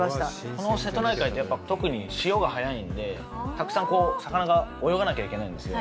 この瀬戸内海って、特に潮が速いんで、たくさん魚が泳がなきゃいけないんですね。